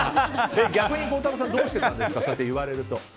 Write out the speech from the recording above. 逆に孝太郎さんどうしてたんですかそうやって言われると。